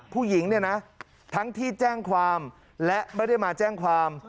ผู้หญิงเนี่ยนะทั้งที่แจ้งความและไม่ได้มาแจ้งความ